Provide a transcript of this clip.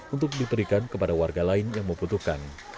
untuk diberikan kepada warga lain yang membutuhkan